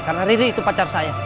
karena riri itu pacar saya